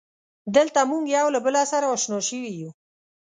دلته مونږ یو له بله سره اشنا شوي یو.